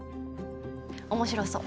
面白そう。